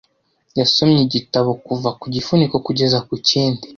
Yasomye igitabo kuva ku gifuniko kugeza ku kindi .